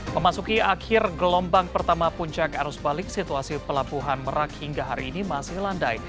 memasuki akhir gelombang pertama puncak arus balik situasi pelabuhan merak hingga hari ini masih landai